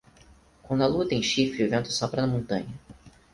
Quando a lua tem chifre, o vento sopra na montanha.